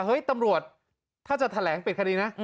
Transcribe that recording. เฮ้ยตำรวจถ้าจะแถลงปิดคดีนะ